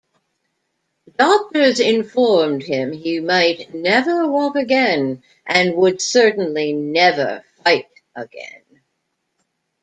Doctors informed him he might never walk again and would certainly never fight again.